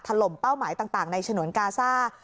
ลมเป้าหมายต่างในฉนวนกาซ่า